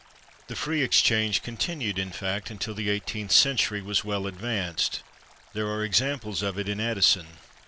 The free exchange continued, in fact, until the eighteenth century was well advanced; there are examples of it in Addison.